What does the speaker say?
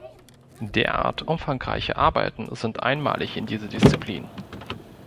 Derart umfangreiche Arbeiten sind einmalig in dieser Disziplin.